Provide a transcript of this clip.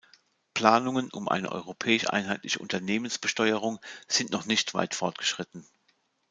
Planungen um eine europäisch einheitliche Unternehmensbesteuerung sind noch nicht weit fortgeschritten.